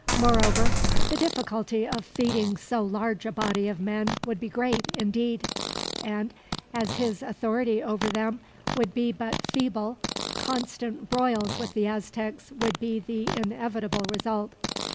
Moreover, the difficulty of feeding so large a body of men would be great, indeed; and as his authority over them would be but feeble, constant broils with the Aztecs would be the inevitable result.